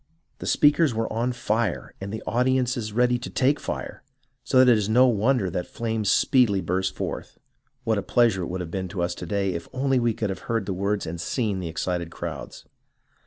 The speakers were on fire, and the audiences ready to take fire, so that it is no wonder that flames speedily burst forth. What a pleasure it would be to us to day if only we could have heard the words and seen the excited crowds.